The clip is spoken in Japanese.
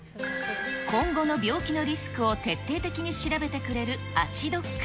今後の病気のリスクを徹底的に調べてくれる足ドック。